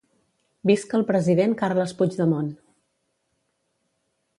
Visca el president Carles Puigdemont